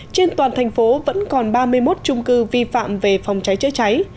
trên toàn thành phố vẫn còn ba mươi một trung cư vi phạm về phòng cháy chữa cháy